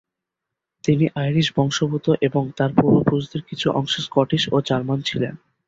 তিনি আইরিশ বংশোদ্ভূত এবং তার পূর্বপুরুষদের কিছু অংশ স্কটিশ ও জার্মান ছিলেন।